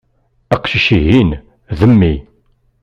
Aqcic-ihin, d mmi.